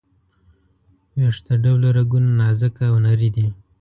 ویښته ډوله رګونه نازکه او نري دي.